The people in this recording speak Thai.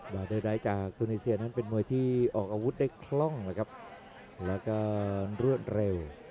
ได้ไดท์จากตูนีเซียนั้นเป็นมวยที่ออกอาวุธได้คล่องเลยครับแล้วก็รวดเร็ว